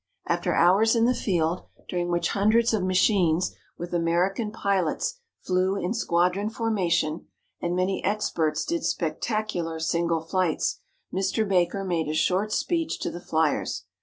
After hours in the field, during which hundreds of machines with American pilots flew in squadron formation, and many experts did spectacular single flights, Mr. Baker made a short speech to the fliers.